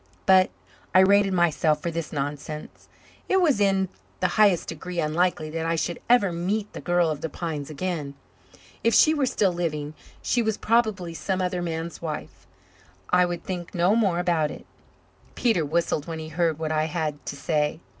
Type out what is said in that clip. But I rated myself for this nonsense. It was in the highest degree unlikely that I should ever meet the girl of the pines again. If she were still living she was probably some other man's wife. I would think no more about it. Peter whistled when he heard what I had to say.